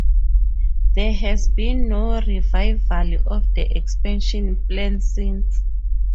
There has been no revival of the expansion plan since.